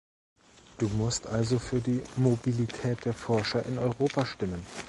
Du musst also für die Mobilität der Forscher in Europa stimmen!